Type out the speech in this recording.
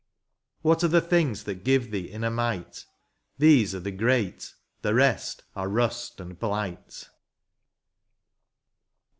What are the things that give thee inner might ? These are the great, the rest are rust and blight.